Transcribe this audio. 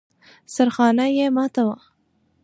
سرخانه يې ماته وه.